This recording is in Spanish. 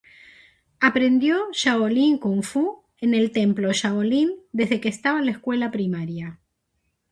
Aprendió Shaolin Kungfu en el Templo Shaolin desde que estaba en la escuela primaria.